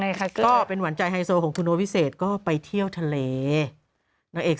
ได้ค่ะก็เป็นหวันใจไฮโซของคุณโอวิเศษก็ไปเที่ยวทะเลเอก